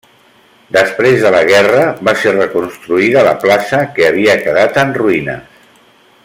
Després de la guerra va ser reconstruïda la plaça que havia quedat en ruïnes.